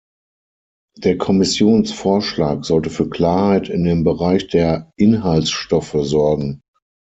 Der Kommissionsvorschlag sollte für Klarheit in dem Bereich der Inhaltsstoffe sorgen.